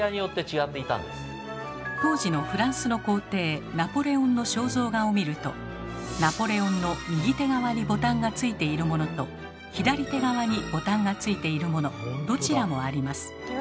当時のフランスの皇帝ナポレオンの肖像画を見るとナポレオンの右手側にボタンが付いているものと左手側にボタンが付いているものどちらもあります。